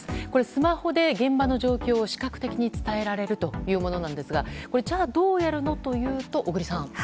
スマホで現場の状況を視覚的に伝えられるものですがどうやるのというと小栗さん。